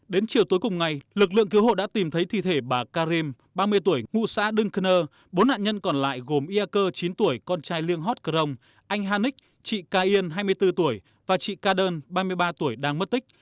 đến chiều tối cùng ngày lực lượng cứu hộ đã tìm thấy thi thể bà karim ba mươi tuổi ngụ xã đưng cơ nơ bốn nạn nhân còn lại gồm ia cơ chín tuổi con trai liêng hót crono anh hà ních chị ca yên hai mươi bốn tuổi và chị ca đơn ba mươi ba tuổi đang mất tích